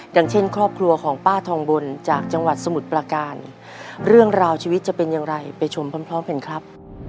อย่างเช่นครอบครัวของป้าทองบนจากจังหวัดสมุทรประการเรื่องราวชีวิตจะเป็นอย่างไรไปชมพร้อมกันครับ